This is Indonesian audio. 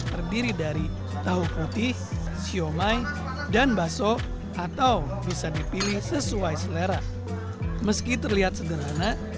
terdiri dari tahu putih siomay dan baso atau bisa dipilih sesuai selera meski terlihat sederhana